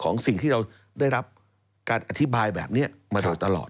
สิ่งที่เราได้รับการอธิบายแบบนี้มาโดยตลอด